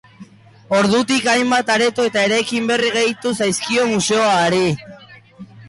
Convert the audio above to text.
Ordutik hainbat areto eta eraikin berri gehitu zaizkio museoari.